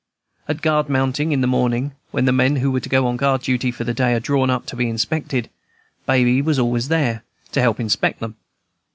At "guard mounting" in the morning, when the men who are to go on guard duty for the day are drawn up to be inspected, Baby was always there, to help inspect them.